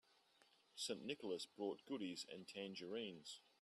St. Nicholas brought goodies and tangerines.